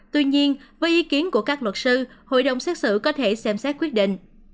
tuy nhiên với ý kiến của các luật sư hội đồng xét xử có thể xem xét quyết định